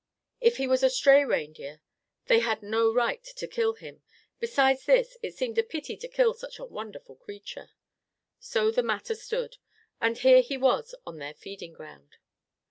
If he was a stray reindeer, they had no right to kill him. Besides this, it seemed a pity to kill such a wonderful creature. So the matter stood. And here he was on their feeding ground.